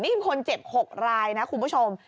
นี่คนเจ็บ๖รายนะคุณผู้ชม